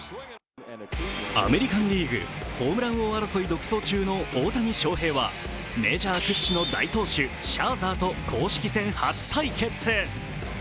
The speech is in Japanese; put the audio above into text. アメリカン・リーグ、ホームラン王争い独走中の大谷翔平はメジャー屈指の大投手、シャーザーと公式戦初対決。